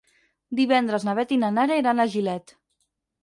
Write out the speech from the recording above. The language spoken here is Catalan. Divendres na Beth i na Nara iran a Gilet.